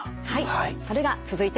はい。